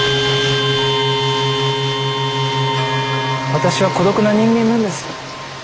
私は孤独な人間なんです。